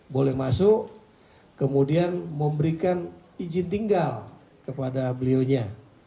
boleh masuk kemudian memberikan izin tinggal kepada beliaunya